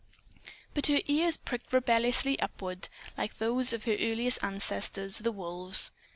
But her ears pricked rebelliously upward, like those of her earliest ancestors, the wolves.